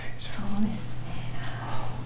そうですね。